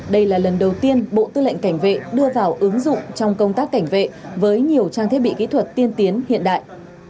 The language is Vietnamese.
đây là lần đầu tiên bộ tư lệnh cảnh vệ đưa vào ứng dụng trong công tác cảnh vệ với nhiều trang thiết bị kỹ thuật tiên tiến hiện đại